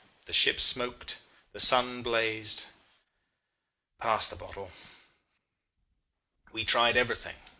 The ship smoked, the sun blazed.... Pass the bottle. "We tried everything.